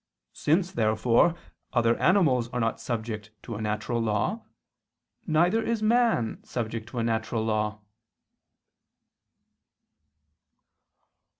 Since therefore other animals are not subject to a natural law, neither is man subject to a natural law.